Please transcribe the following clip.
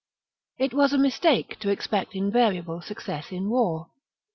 It was a mistake to expect invariable success in war.